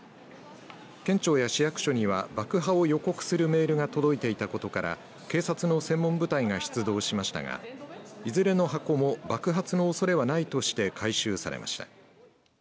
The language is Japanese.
県庁や市役所には爆破を予告するメールが届いていたことから警察の専門部隊が出動しましたがいずれの箱も爆発のおそれはないとして回収されました。